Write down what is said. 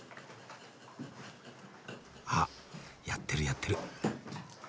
あっやってるやってる。